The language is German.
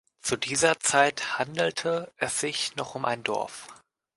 Zu dieser Zeit handelte es sich noch um ein Dorf.